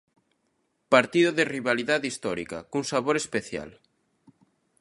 Partido de rivalidade histórica cun sabor especial.